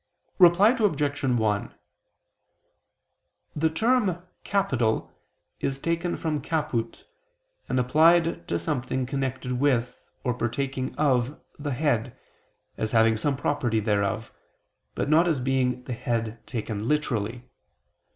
Reply Obj. 1: The term "capital" is taken from caput and applied to something connected with, or partaking of the head, as having some property thereof, but not as being the head taken literally.